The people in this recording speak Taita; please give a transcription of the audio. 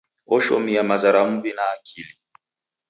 Oshomia maza ra m'wi na akili.